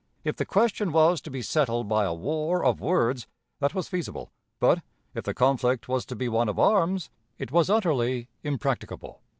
If the question was to be settled by a war of words, that was feasible; but, if the conflict was to be one of arms, it was utterly impracticable.